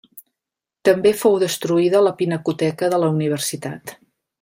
També fou destruïda la pinacoteca de la universitat.